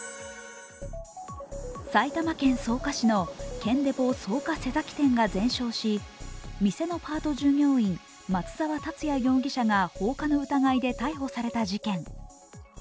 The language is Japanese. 埼玉県草加市の建デポ草加瀬崎店が焼失した事件で店のパート従業員、松沢達也容疑者が放火の疑いで逮捕された事件。